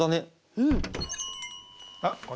うん。